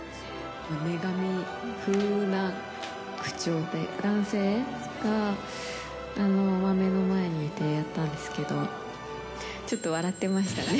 女神風な口調で、男性が目の前にいてやったんですけど、ちょっと笑ってましたね。